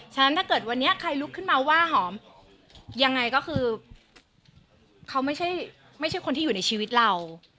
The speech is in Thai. ฉะนั้นถ้าเกิดวันนี้ใครลุกขึ้นมาว่าหอมยังไงก็คือเขาไม่ใช่คนที่อยู่ในชีวิตเรา